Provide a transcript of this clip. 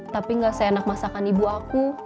tapi gak seenak masakan ibu aku